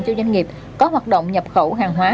cho doanh nghiệp có hoạt động nhập khẩu hàng hóa